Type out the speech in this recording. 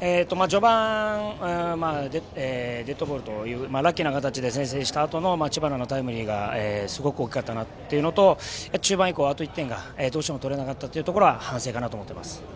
序盤、デッドボールというラッキーな形で先制したあとの知花のタイムリーがすごく大きかったなというのと中盤以降はあと１点が取れなかったのは反省かなと思っています。